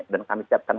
dan kami siapkan